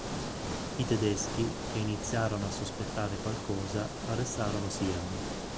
I tedeschi, che iniziarono a sospettare qualcosa, arrestarono Siem.